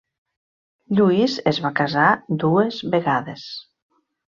Lluís es va casar dues vegades.